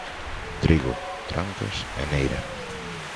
Trigo, Trancas e Neira.